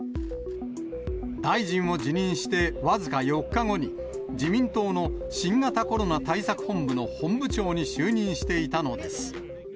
大臣を辞任して僅か４日後に、自民党の新型コロナ対策本部の本部長に就任していたのです。